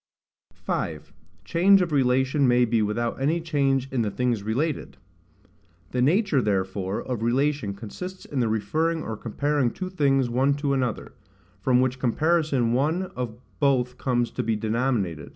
5. Change of Relation may be without any Change in the things related. The nature therefore of relation consists in the referring or comparing two things one to another; from which comparison one or both comes to be denominated.